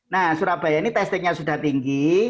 nah surabaya ini testingnya sudah tinggi